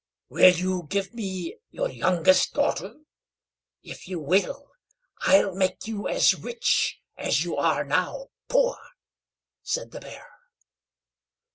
"Will you give me your youngest daughter? If you will, I'll make you as rich as you are now poor," said the Bear.